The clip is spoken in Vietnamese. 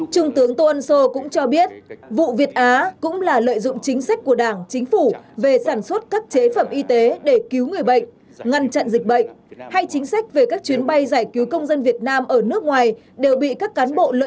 trung tướng tô ân sô cũng cho biết vụ việt á cũng là lợi dụng chính sách của đảng chính phủ về sản xuất các chế phẩm y tế để cứu người bệnh ngăn chặn dịch bệnh hay chính sách về các chuyến bay giải cứu công dân việt nam ở nước ngoài đều bị các cán bộ lựa chọn